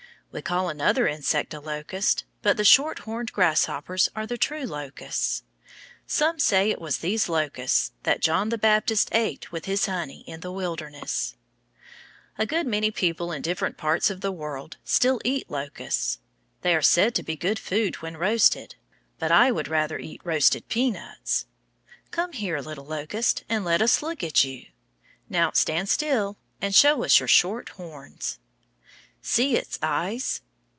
We call another insect a locust, but the shorthorned grasshoppers are the true locusts. Some say it was these locusts that John the Baptist ate with his honey in the wilderness. A good many people in different parts of the world still eat locusts. They are said to be good food when roasted, but I would rather eat roasted peanuts. Come here, little locust, and let us look at you. Now, stand still, and show us your short "horns." See its eyes!